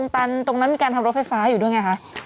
ตันตรงนั้นมีการทำรถไฟฟ้าอยู่ด้วยไงคะ